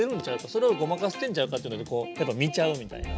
それをごまかしてんちゃうか？というのでこうやっぱ見ちゃうみたいな。